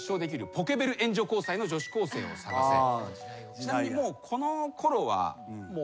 ちなみにもう。